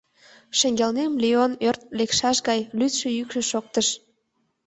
Шеҥгелнем Леон ӧрт лекшаш гай лӱдшӧ йӱкшӧ шоктыш: